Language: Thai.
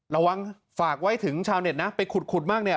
ระวังฝากไว้ถึงชาวเน็ตนะไปขุดมากเนี่ย